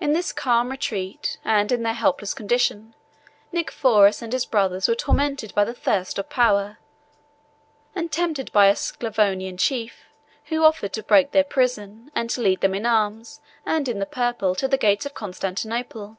In this calm retreat, and in their helpless condition, Nicephorus and his brothers were tormented by the thirst of power, and tempted by a Sclavonian chief, who offered to break their prison, and to lead them in arms, and in the purple, to the gates of Constantinople.